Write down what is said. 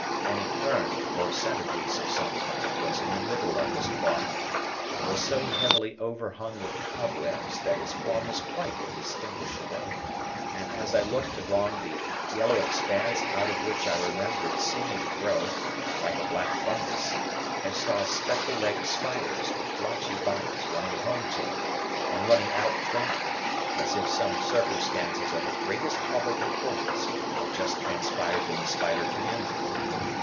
An epergne or centre piece of some kind was in the middle of this cloth; it was so heavily overhung with cobwebs that its form was quite undistinguishable; and, as I looked along the yellow expanse out of which I remember its seeming to grow, like a black fungus, I saw speckle legged spiders with blotchy bodies running home to it, and running out from it, as if some circumstances of the greatest public importance had just transpired in the spider community.